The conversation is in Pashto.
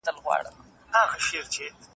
ایا ته د خپلې مقالي له موضوع خبر یې؟